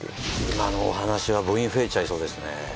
今のお話は部員増えちゃいそうですね。